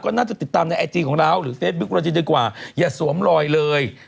น่าจะติดตามในไอจีของเราหรือเฟซบุ๊คเราจะดีกว่าอย่าสวมรอยเลย